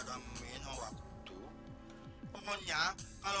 tapi mau jual